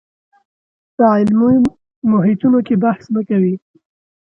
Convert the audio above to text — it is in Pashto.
په علمي محیطونو کې بحث نه کوي